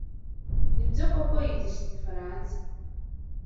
Nibyo koko yigisha igifaransa.